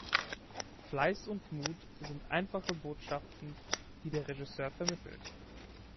Fleiß und Mut sind einfache Botschaften, die der Regisseur vermittelt.